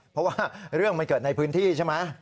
เพราะว่าเรื่องมันเกิดในพื้นที่ใช่ไหม